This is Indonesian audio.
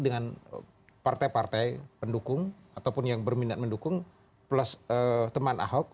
dengan partai partai pendukung ataupun yang berminat mendukung plus teman ahok